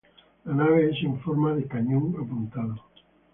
La nave es en forma de cañón apuntado.